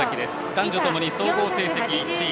男女ともに総合成績１位。